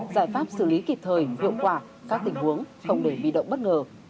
giải pháp xử lý kịp thời hiệu quả các tình huống không để bị động bất ngờ